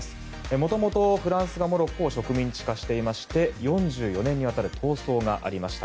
もともとフランスがモロッコを植民地化していまして４５年にわたる闘争がありました。